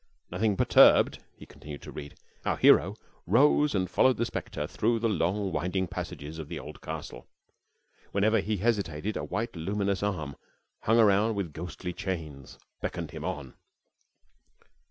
"Nothing perturbed," he continued to read, "our hero rose and followed the spectre through the long winding passages of the old castle. Whenever he hesitated, a white, luminous arm, hung around with ghostly chains, beckoned him on."